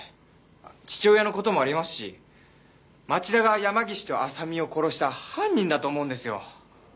父親の事もありますし町田が山岸と浅見を殺した犯人だと思うんですよ。